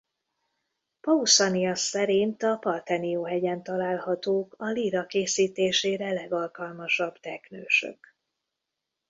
Pauszaniasz szerint a Parthenio-hegyen találhatók a líra készítésére legalkalmasabb teknősök.